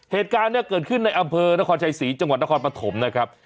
เหตุการณ์เนี่ยเกิดขึ้นในอำเภอนครชัยศรีจังหวัดนครปฐมนะครับ